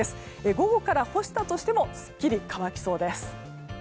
午後から干したとしてもすっきり乾きそうです。